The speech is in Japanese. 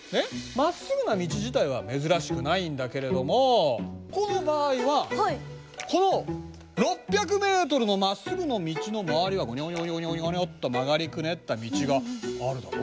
まっすぐな道自体は珍しくないんだけれどもここの場合はこの６００ｍのまっすぐの道の周りはウニョウニョウニョウニョッと曲がりくねった道があるだろう？